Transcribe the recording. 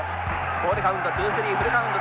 ボールカウントツースリーフルカウント。